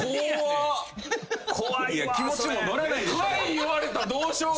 帰り言われたらどうしよう？